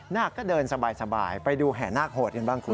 นาคก็เดินสบายไปดูแห่นาคโหดกันบ้างคุณ